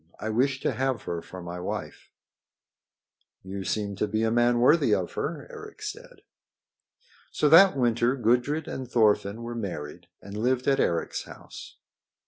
I wish to have her for my wife." "You seem to be a man worthy of her," Eric said. So that winter Gudrid and Thorfinn were married and lived at Eric's house.